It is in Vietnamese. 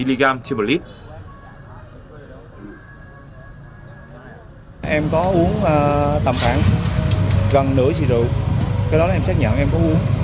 em có uống tầm khoảng gần nửa xịt rượu cái đó em xác nhận em có uống